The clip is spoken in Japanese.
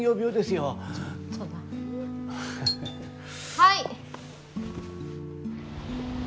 はい！